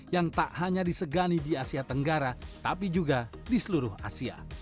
yang tak hanya disegani di asia tenggara tapi juga di seluruh asia